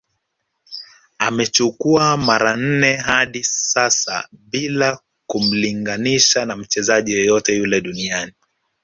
Amechukua mara nne hadi sasa Bila kumlinganisha na mchezaji yoyote yule duniani